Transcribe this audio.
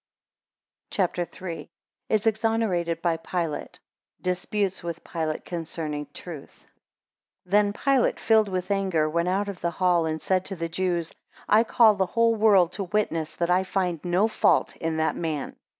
CHAPTER III. 1 Is exonerated by Pilate. 11 Disputes with Pilate concerning truth. THEN Pilate, filled with anger, went out of the hall, and said to the Jews, I call the whole world to witness that I find no fault in that man.